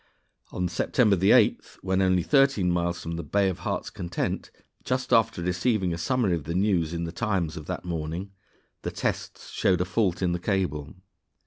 On September 8th, when only thirteen miles from the Bay of Heart's Content, just after receiving a summary of the news in The Times of that morning, the tests showed a fault in the cable.